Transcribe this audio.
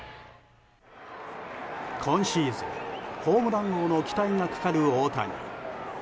今シーズン、ホームラン王の期待がかかる、大谷。